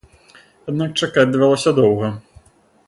Аднак чакаць давялося доўга.